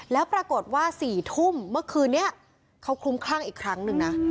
แล้วปรากฏว่า๔ทุ่มเมื่อคืนนี้เขาคลุ้มคลั่งอีกครั้งหนึ่งนะ